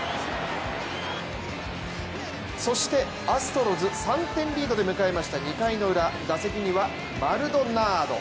そして、アストロズ３点リードで迎えました２回のウラ、打席にはマルドナード。